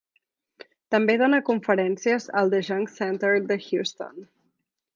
També dóna conferències al The Jung Center de Houston.